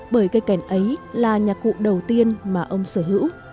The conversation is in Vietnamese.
bởi cây kèn ấy là nhạc cụ đầu tiên mà ông sở hữu